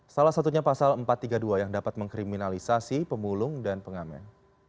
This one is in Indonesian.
salah satunya pasal empat ratus tiga puluh dua yang dapat mengkriminalisasi pemulung dan pengamen